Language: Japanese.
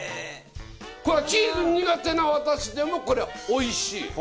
これはチーズ苦手な私でもこれは美味しい。